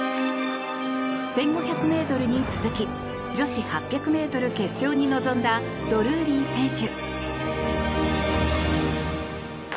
１５００ｍに続き女子８００ｍ決勝に臨んだドルーリー選手。